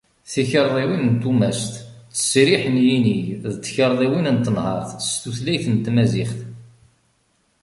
Tikarḍiwin n tumast, ttesriḥ n yinig d tkarḍiwin n tenhart s tutlayt n tmaziɣt.